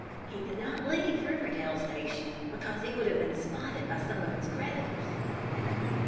"He did not leave Riverdale Station, because he would have been spotted by some of his creditors."